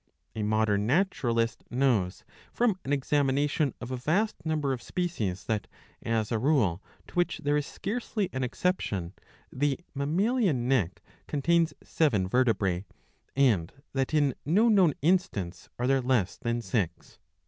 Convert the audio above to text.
A modern naturalist knows from an examination of a vast number of species that, as a rule to which there is scarcely an exception, the mammalian neck contains seven vertebrae, and that in no known instance are there less than six.